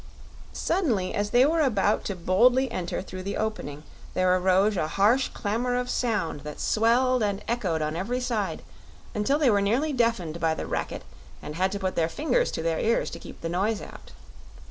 Suddenly, as they were about to boldly enter through the opening, there arose a harsh clamor of sound that swelled and echoed on every side, until they were nearly deafened by the racket and had to put their fingers to their ears to keep the noise out.